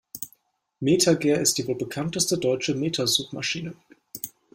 MetaGer ist die wohl bekannteste deutsche Meta-Suchmaschine.